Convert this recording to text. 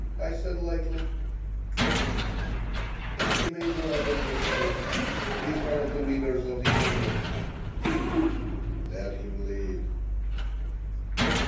I said, lightly "But he may do other mischief. He's one of the leaders of the union." "Let him lead."